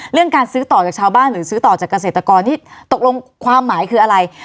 เรื่องการซื้อต่อจากชาวบ้านหรือซื้อต่อจากเกษตรกรที่ตกลงความหมายคืออะไร